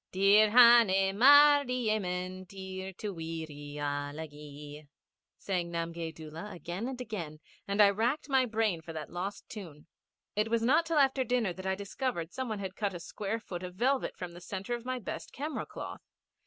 Dir hané mard i yemen dir To weeree ala gee, sang Namgay Doola again and again, and I racked my brain for that lost tune. It was not till after dinner that I discovered some one had cut a square foot of velvet from the centre of my best camera cloth.